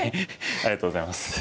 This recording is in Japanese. ありがとうございます。